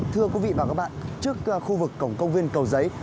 thưa quý vị và các bạn trước khu vực cổng công viên cầu giấy